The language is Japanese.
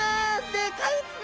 でかいですね！